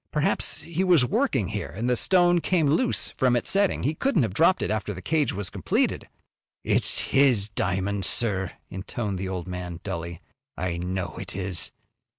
Perhaps he was working here, and the stone came loose from its setting. He couldn't have dropped it after the cage was completed." "It's his diamond, sir," intoned the old man, dully. "I know it is."